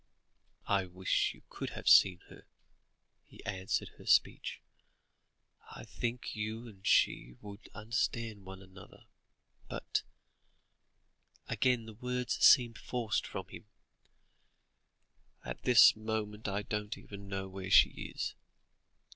"I wish you could have seen her," he answered her speech. "I think you and she would understand one another, but" again the words seemed forced from him "at this moment, I don't even know where she is."